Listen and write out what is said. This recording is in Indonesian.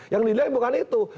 yang dilihat bukan itu